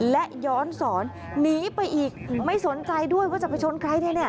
และย้อนสอนหนีไปอีกไม่สนใจด้วยว่าจะไปชนใครแน่